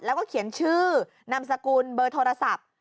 แล้วก็เขียนชื่อนามสกุลเบอร์โทรศัพท์